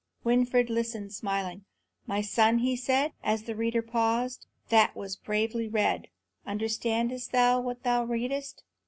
Winfried listened, smiling. "My son," said he, as the reader paused, "that was bravely read. Understandest thou what thou readest?"